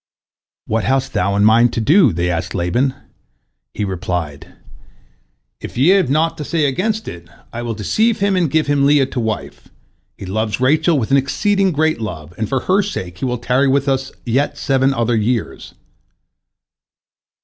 "What hast thou in mind to do?" they asked Laban. He replied: "If ye have naught to say against it, I will deceive him and give him Leah to wife. He loves Rachel with an exceeding great love, and for her sake he will tarry with us yet seven other years."